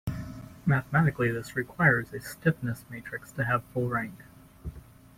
Mathematically, this requires a stiffness matrix to have full rank.